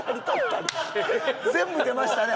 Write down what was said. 全部出ましたね